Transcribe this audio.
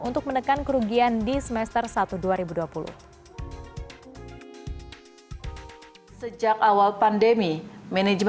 untuk menerima keuntungan yang lebih baik